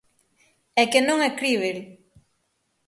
É que non é críbel.